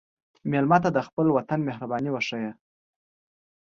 مېلمه ته د خپل وطن مهرباني وښیه.